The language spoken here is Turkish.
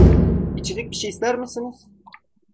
İçecek bir şey ister misiniz?